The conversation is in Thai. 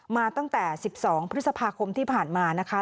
มาตั้งแต่๑๒พฤษภาคมที่ผ่านมานะคะ